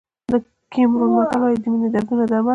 د کیمرون متل وایي د مینې دردونه درمل دي.